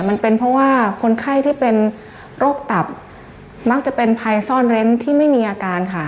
มันเป็นเพราะว่าคนไข้ที่เป็นโรคตับมักจะเป็นภัยซ่อนเร้นที่ไม่มีอาการค่ะ